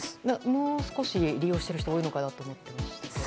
もう少し利用してる人多いのかなと思ってましたけど。